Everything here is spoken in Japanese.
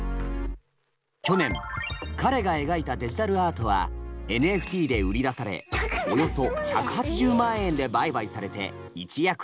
去年彼が描いたデジタルアートはＮＦＴで売り出されおよそ１８０万円で売買されて一躍有名に。